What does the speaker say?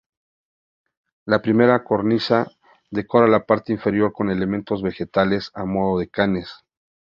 La primera cornisa decora la parte inferior con elementos vegetales a modo de canes.